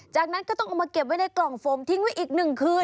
จากนั้นก็ต้องเอามาเก็บไว้ในกล่องโฟมทิ้งไว้อีก๑คืน